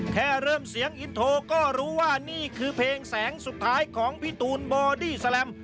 แค่เริ่มเสียงอินโทรก็รู้ว่านี่คือเพลงแสงสุดท้ายของพี่ตูนบอดี้แลม